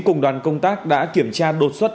cùng đoàn công tác đã kiểm tra đột xuất